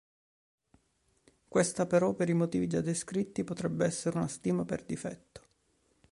Questa però, per i motivi già descritti, potrebbe essere una stima per difetto.